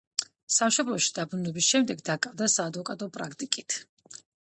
სამშობლოში დაბრუნების შემდეგ დაკავდა საადვოკატო პრაქტიკით.